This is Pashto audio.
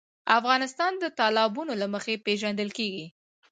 افغانستان د تالابونه له مخې پېژندل کېږي.